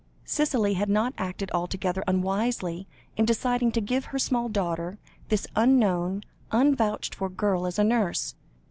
Cicely had not acted altogether unwisely, in deciding to give her small daughter this unknown, unvouched for girl as a nurse.